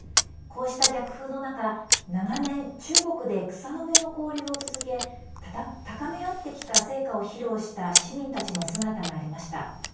こうした逆風の中長年、中国で草の根の交流を続け高め合ってきた成果を披露した市民たちの姿がありました。